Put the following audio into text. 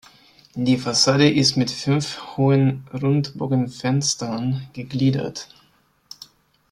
Die Fassade ist mit fünf hohen Rundbogenfenstern gegliedert.